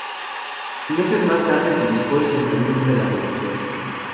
Meses más tarde publicó "El pensamiento de la revolución".